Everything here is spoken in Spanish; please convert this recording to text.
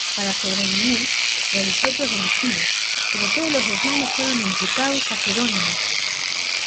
Para sobrevivir, realizó hechos delictivos, pero todos los desmanes fueron imputados a Gerónimo.